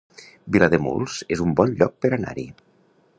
Vilademuls es un bon lloc per anar-hi